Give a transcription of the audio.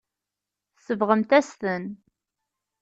Tsebɣemt-as-ten.